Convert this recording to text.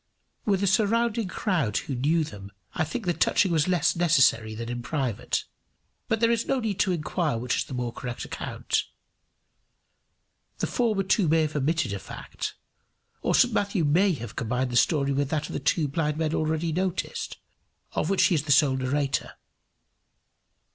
With a surrounding crowd who knew them, I think the touching was less necessary than in private; but there is no need to inquire which is the more correct account. The former two may have omitted a fact, or St Matthew may have combined the story with that of the two blind men already noticed, of which he is the sole narrator.